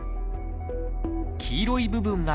黄色い部分が神経。